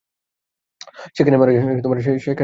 সেখানেই মারা যান।